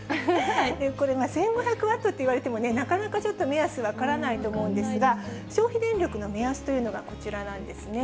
これが１５００ワットって言われてもね、なかなかちょっと目安分からないと思うんですが、消費電力の目安というのがこちらなんですね。